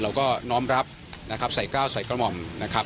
เราก็น้อมรับนะครับใส่กล้าวใส่กระหม่อมนะครับ